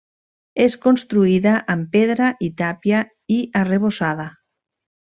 És construïda amb pedra i tàpia i arrebossada.